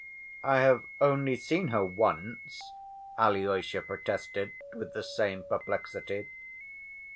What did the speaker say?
"I have only seen her once," Alyosha protested with the same perplexity.